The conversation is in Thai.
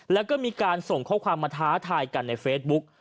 แล้วก็มีการส่งข้อความมาท้าทายกันในเฟซบุ๊ก